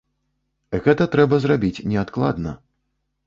Гэта трэба зрабіць неадкладна.